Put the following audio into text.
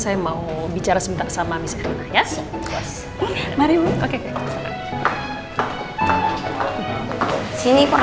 saya mau bicara sebentar sama miss reina